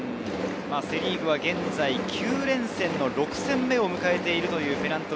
セ・リーグは現在９連戦の６戦目を迎えています。